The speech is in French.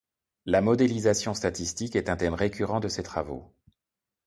La modélisation statistique est un thème récurrent de ses travaux.